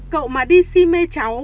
cậu mà đi si mê cháu